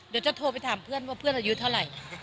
เดี๋ยวจะโทรไปถามเพื่อนว่าเพื่อนอายุเท่าไหร่